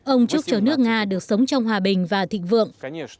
ông chúc cho nước nga được sống trong hòa bình và thịnh vượng